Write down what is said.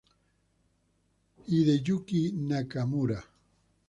Hideyuki Nakamura